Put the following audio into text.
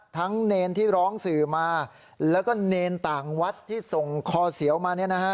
ทั้งนีนที่ร้องสือมาแล้วก็นีนต่างวัดที่ส่งคอเสียวมา